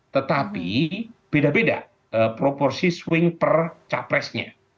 tetapi beda beda proporsi swing per capresnya